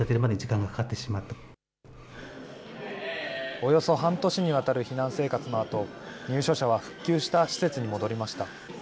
およそ半年にわたる避難生活のあと、入所者は復旧した施設に戻りました。